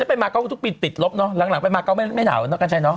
ไปมาเก้าทุกปีติดลบเนาะหลังไปมาเก้าไม่หนาวเนาะกันใช่เนาะ